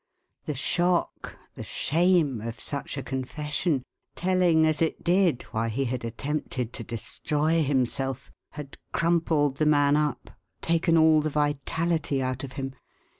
The shock, the shame, of such a confession, telling, as it did, why he had attempted to destroy himself, had crumpled the man up, taken all the vitality out of him.